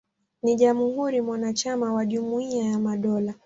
Ni jamhuri mwanachama wa Jumuiya ya Madola.